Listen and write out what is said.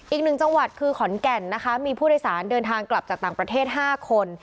อีกหนึ่งจังหวัดคือขอนแก่นนะคะมีผู้โดยสารเดินทางกลับจากต่างประเทศ๕คน